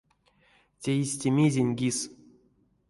Те истя мезень кис?